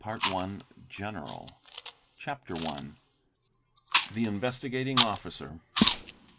PART I.—GENERAL. CHAPTER I. THE INVESTIGATING OFFICER.